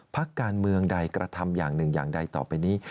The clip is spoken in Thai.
พักการเมืองใดกระทำอย่างหนึ่งอย่างใดต่อไปนี้